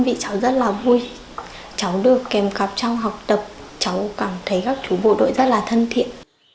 vì cháu rất là vui cháu được kèm cặp trong học tập cháu cảm thấy các chú bộ đội rất là thân thiện